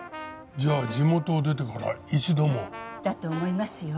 じゃあ地元を出てから一度も？だと思いますよ。